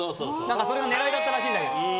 それが狙いだったらしいけど。